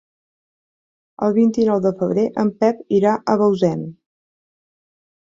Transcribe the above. El vint-i-nou de febrer en Pep irà a Bausen.